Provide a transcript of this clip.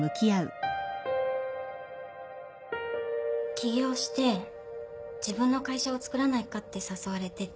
起業して自分の会社をつくらないかって誘われてて。